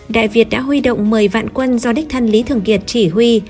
đại việt đã huy động mời vạn quân do đích thân lý thường kiệt chỉ huy